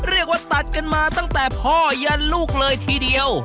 เรียกว่าตัดกันมาตั้งแต่พ่อยันลูกเลยทีเดียว